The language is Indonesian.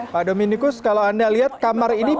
pak dominikus kalau anda lihat kamar ini